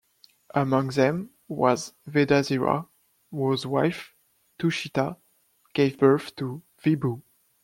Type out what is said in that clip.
Among them was Vedasira, whose wife, Tushita, gave birth to Vibhu.